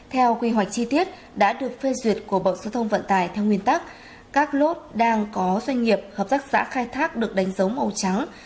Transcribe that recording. theo quy hoạch chi tiết đã được phê duyệt của bộ giao thông vận tải theo nguyên tắc các lốt đang có doanh nghiệp hợp tác xã khai thác được đánh dấu màu trắng